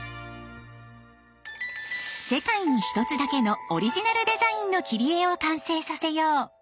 世界に１つだけのオリジナルデザインの切り絵を完成させよう。